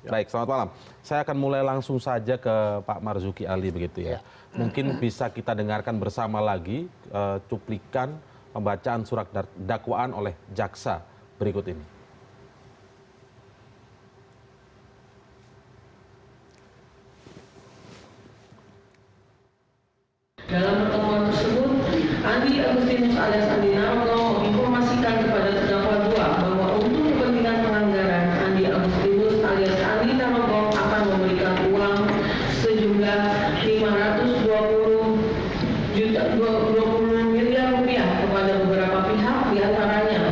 dalam pertemuan tersebut andi agustinus alias andi nanggok informasikan kepada tegapak dua bahwa untuk kepentingan peranggaran andi agustinus alias andi nanggok akan memberikan uang sejumlah rp lima ratus dua puluh miliar kepada beberapa pihak diantaranya